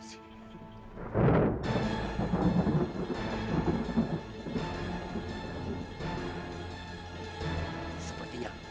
assalamualaikum warahmatullahi wabarakatuh